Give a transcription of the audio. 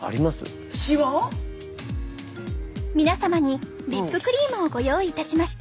皆様にリップクリームをご用意いたしました。